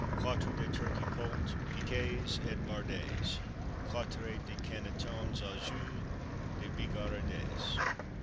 _ Quatre de Turkey Poult, Piqués et Bardés. Quatre de Cannetons au Jus de Bigarades.